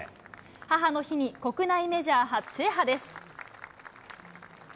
母の日に国内メジャー初制覇です。